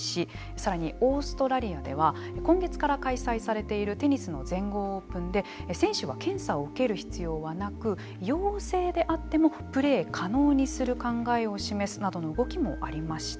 さらにオーストラリアでは今月から開催されているテニスの全豪オープンで選手は検査を受ける必要はなく陽性であってもプレー可能にする考えを示すなどの動きもありました。